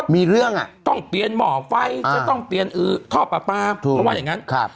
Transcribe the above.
มีเรื่องอ่ะต้องเปลี่ยนม่อไฟจะต้องเปลี่ยนอืมท่อป่าป่ะว่าอย่างงั้น